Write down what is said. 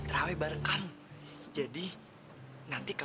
toko mandar hantu yang singkirnya